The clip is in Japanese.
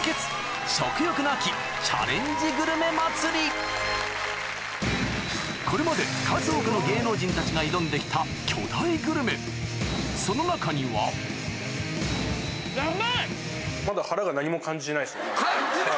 今夜はこれまで数多くの芸能人たちが挑んで来た巨大グルメその中にはヤバい！